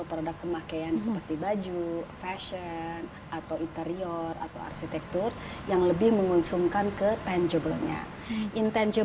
oke mungkin saya buka kembali bahwa hari yang indah ini atau hari batik yang ditetapkan di tahun dua ribu empat belas oleh unesco